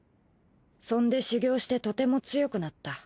そんで修行してとても強くなった。